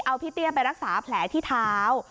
เอาพี่เตี้ยไปรักษาแผลที่เท้า